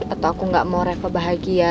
atau aku gak mau reko bahagia